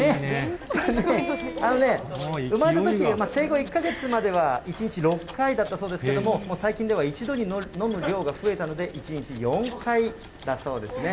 あのね、産まれたとき、生後１か月までは１日６回だったそうですけれども、最近では一度に飲む量が増えたので、１日４回だそうですね。